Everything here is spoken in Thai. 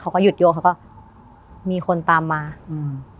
เขาก็หยุดโยงเขาก็มีคนตามมาอืม